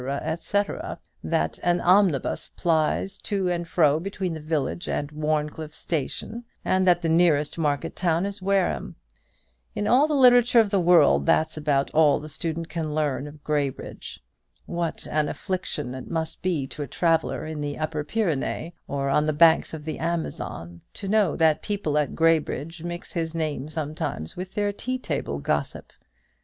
&c. that an omnibus plies to and fro between the village and Warncliffe station; and that the nearest market town is Wareham. In all the literature of the world, that's about all the student can learn of Graybridge. What an affliction it must be to a traveller in the Upper Pyrenees, or on the banks of the Amazon, to know that people at Graybridge mix his name sometimes with their tea table gossip!